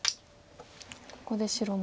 ここで白も。